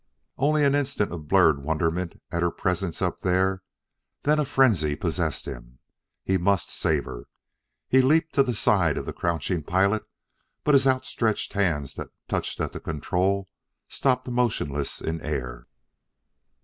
Only an instant of blurred wonderment at her presence up there then a frenzy possessed him. He must save her! He leaped to the side of the crouching pilot, but his outstretched hands that clutched at the control stopped motionless in air.